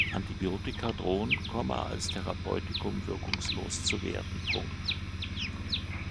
Antibiotika drohen, als Therapeutikum wirkungslos zu werden.